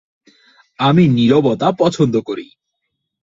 আমি নীরবতা পছন্দ করি।